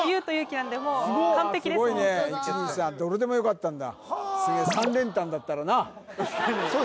どれでもよかったんだはあ